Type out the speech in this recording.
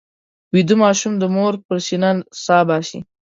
ویده ماشوم د مور پر سینه سا باسي